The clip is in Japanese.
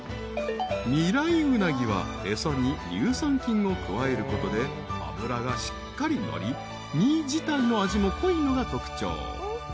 ［未来鰻は餌に乳酸菌を加えることで脂がしっかり乗り身自体の味も濃いのが特徴］